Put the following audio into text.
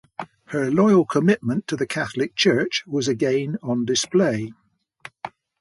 Her loyal commitment to the Catholic Church was again on display.